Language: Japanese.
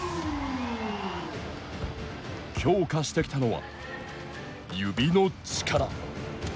強化してきたのは、指の力。